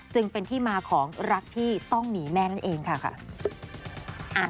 จึงเป็นที่มาของรักที่ต้องหนีแม่นั่นเองค่ะ